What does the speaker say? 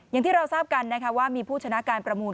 อย่างที่เราทราบกันนะคะว่ามีผู้ชนะการประมูล